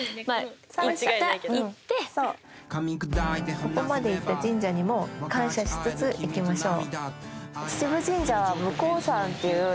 ここまで行った神社にも感謝しつつ行きましょう。